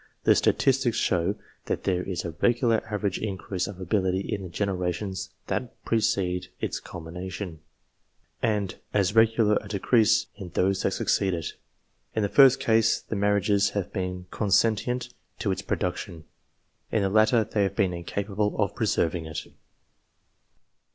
The statistics show that there is a regular average increase of ability in the generations that precede its culmination, and as regular a decrease in those that succeed it. In the first case the marriages have been consentient to its production, in the latter they have been incapable of preserving it.